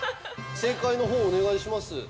◆正解のほうお願いします。